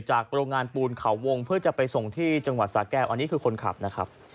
โรงงานปูนเขาวงเพื่อจะไปส่งที่จังหวัดสาแก้วอันนี้คือคนขับนะครับ